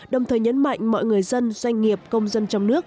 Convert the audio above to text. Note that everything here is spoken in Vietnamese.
đồng thời nhấn mạnh mọi người dân doanh nghiệp công dân trong nước